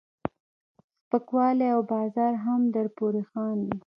سپکوالی او بازار هم درپورې خاندي.